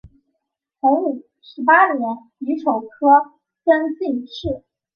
洪武十八年乙丑科登进士。